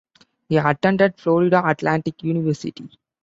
He attended Florida Atlantic University.